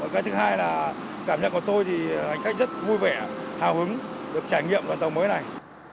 cái thứ hai là cảm nhận của tôi thì hành khách rất vui vẻ hào hứng được trải nghiệm đoàn tàu mới này